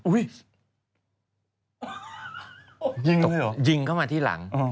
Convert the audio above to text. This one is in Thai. ยิงเลยเหรอยิงเข้ามาที่หลัง